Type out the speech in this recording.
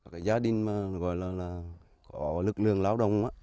cái gia đình mà gọi là có lực lượng lao động á